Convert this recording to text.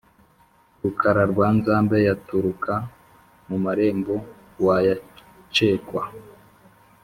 Rukara rwa Nzambe yaturuka mu marembo wayacekwa